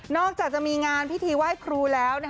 อกจากจะมีงานพิธีไหว้ครูแล้ว